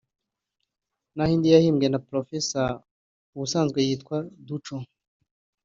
n’aho indi yo yahimbwe ‘Professor’ ubusanzwe yitwa Duco